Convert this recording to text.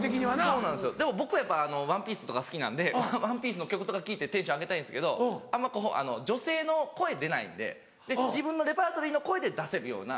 そうなんですよでも僕やっぱ『ＯＮＥＰＩＥＣＥ』とか好きなんで『ＯＮＥＰＩＥＣＥ』の曲とか聴いてテンション上げたいんですけどあんま女性の声出ないんで自分のレパートリーの声で出せるような。